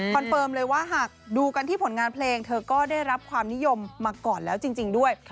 เฟิร์มเลยว่าหากดูกันที่ผลงานเพลงเธอก็ได้รับความนิยมมาก่อนแล้วจริงด้วย